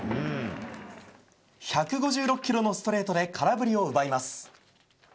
１５６キロのストレートで空振りを奪います。